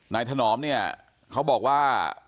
ถนอมเนี่ยเขาบอกว่า